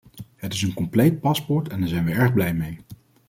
Het is een compleet paspoort en daar zijn wij erg blij mee.